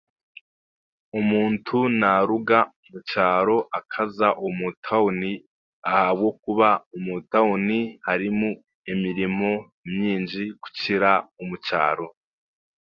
Omuntu naaruga omukyaro akaza omu tawuni ahabw'okuba omu tawuni harimu emirimo nyingi kukira omukyaro.